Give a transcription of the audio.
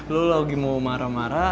lo lagi mau marah marah